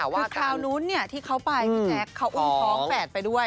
คือคราวนู้นที่เขาไปแอคเขาอุ่นฟ้าแฝดไปด้วย